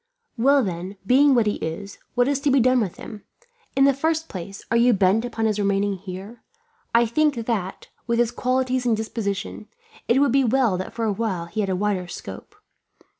"Well then, being what he is, what is to be done with him? In the first place, are you bent upon his remaining here? I think that, with his qualities and disposition, it would be well that for a while he had a wider scope.